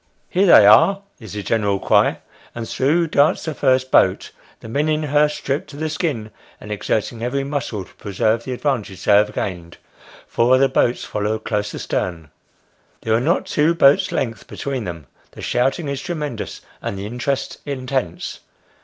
" Here they are," is the general cry and through darts the first boat, the men in her, stripped to the skin, and exerting every muscle to preserve the advantage they have gained four other boats follow close astern; there are not two boats' length between them the shouting is tremendous, and the interest intense.